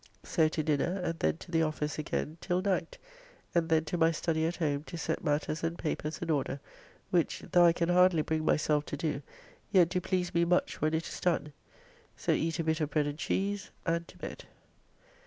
So to dinner and then to the office again till night, and then to my study at home to set matters and papers in order, which, though I can hardly bring myself to do, yet do please me much when it is done. So eat a bit of bread and cheese, and to bed.